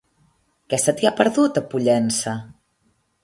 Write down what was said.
Què se t'hi ha perdut, a Pollença?